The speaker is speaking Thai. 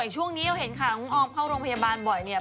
ช่วงนี้เท่าไว้ว่าออมเขารุงพยาบาลบ่อยนะ